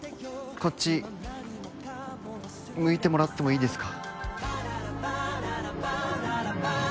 こっち向いてもらってもいいですか？